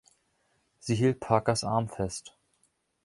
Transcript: Sie hielt Parkers Arm fest.